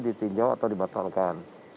ditinjau atau dibatalkan